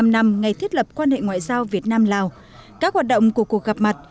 bảy mươi năm năm ngày thiết lập quan hệ ngoại giao việt nam lào các hoạt động của cuộc gặp mặt